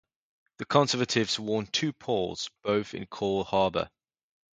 The Conservatives won two polls, both in Cole Harbour.